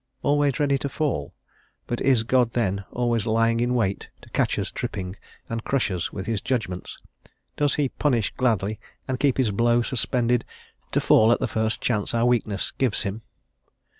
Always ready to fall; but is God, then, always lying in wait to catch us tripping, and crush us with his judgments? Does he punish gladly, and keep his blow suspended, to fall at the first chance our weakness gives him?